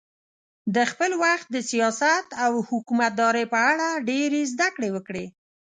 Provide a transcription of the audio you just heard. د خپل وخت د سیاست او حکومتدارۍ په اړه ډېرې زده کړې وکړې.